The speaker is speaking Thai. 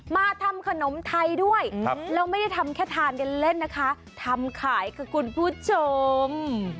มาทำขนมไทยด้วยแล้วไม่ได้ทำแค่ทานกันเล่นนะคะทำขายค่ะคุณผู้ชม